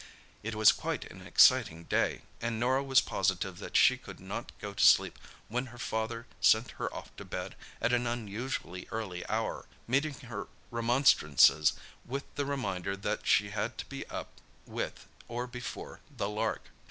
It was quite an exciting day, and Norah was positive that she could not go to sleep when her father sent her off to bed at an unusually early hour, meeting her remonstrances with the reminder that she had to be up with, or before, the lark.